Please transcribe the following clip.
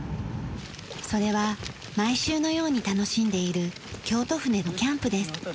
それは毎週のように楽しんでいる京都府でのキャンプです。